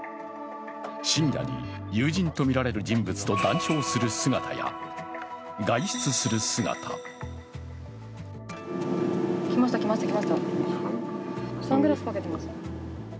深夜に友人とみられる人物と談笑する姿や、外出する姿来ました、来ました、来ましたサングラス掛けてます。